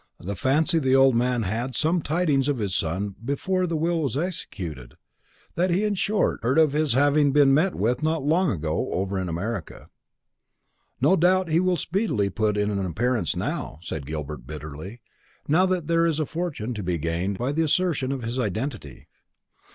I fancy the old man had some tidings of his son before the will was executed; that he, in short, heard of his having been met with not long ago, over in America." "No doubt he will speedily put in an appearance now," said Gilbert bitterly "now that there is a fortune to be gained by the assertion of his identity."